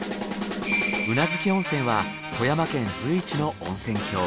宇奈月温泉は富山県随一の温泉郷。